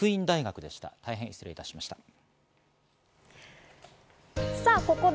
大変失礼しました。